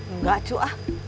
enggak cu ah